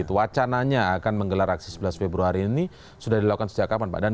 wacananya akan menggelar aksi sebelas februari ini sudah dilakukan sejak kapan pak